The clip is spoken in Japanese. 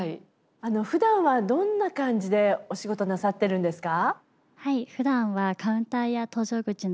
ふだんはどんな感じでお仕事なさってるんですか？